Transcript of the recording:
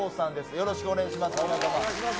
よろしくお願いします